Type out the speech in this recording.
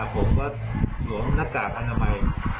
ผมก็สวมหน้ากากอนามัย